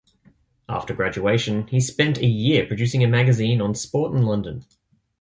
After graduation, he spent a year producing a magazine on sport in London.